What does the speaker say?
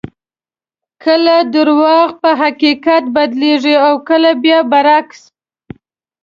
کله درواغ په حقیقت بدلېږي او کله بیا برعکس.